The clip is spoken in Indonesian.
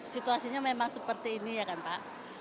situasinya memang seperti ini ya kan pak